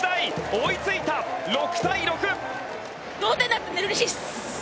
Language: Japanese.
追いついた、６対６。